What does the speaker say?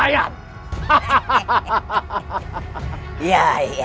kita bisa menyusup ke pejajarannya